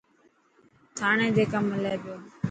ٿانڙي تي ڪم هلي پيو.